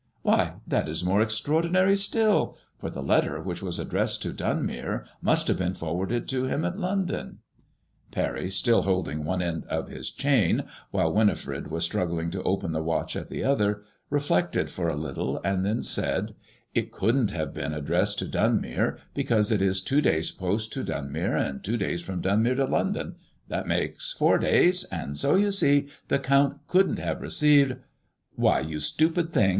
" Why, that is more extraor dinary still ; for the letter which was addressed to Dunmere must have been forwarded to him in London." Parry, still holding one end of his chain, while Winifred was struggling to open the watch at the other, reflected for a little, and then said :" It couldn't have been ad dressed to Dunmere, because it is two days' post to Dunmere, and two days from Dunmere to London — ^that makes four days ; so, you see, the Count couldn't have received "" Why, you stupid thing